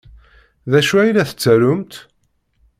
D acu ay la tettarumt?